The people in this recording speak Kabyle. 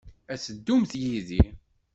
Ad teddumt yid-i?